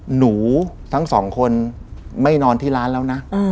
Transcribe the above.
หนูทั้งสองคนไม่นอนที่ร้านแล้วนะ